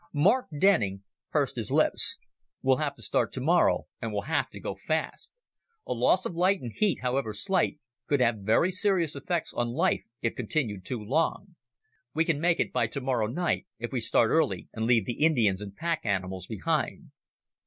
Mark Denning pursed his lips. "We'll have to start tomorrow, and we'll have to go fast. A loss of light and heat, however slight, could have very serious effects on life if continued too long. We can make it by tomorrow night, if we start early and leave the Indians and pack animals behind."